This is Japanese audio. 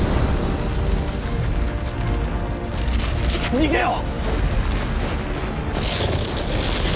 逃げよう！